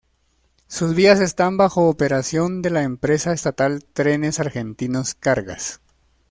Sus vías están bajo operación de la empresa estatal Trenes Argentinos Cargas.